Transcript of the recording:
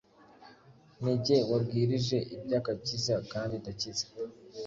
Ni jye wabwirije iby’agakiza kandi ndakiza,